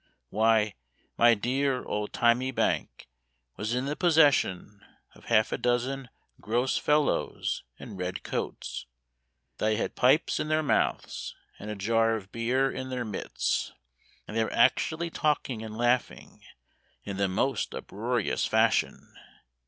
Why, my dear old thymy bank Was in the possession Of half a dozen gross fellows in red coats, Thy had pipes in their mouths, And a jar of beer in their midst, And they were actually talking and laughing In the most uproarious fashion.